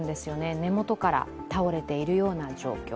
根元から倒れているような状況。